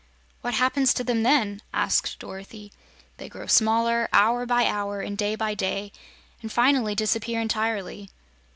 "What happens to them, then?" asked Dorothy. "They grow smaller, hour by hour and day by day, and finally disappear entirely."